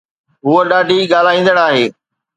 هوءَ ڏاڍي ڳالهائيندڙ آهي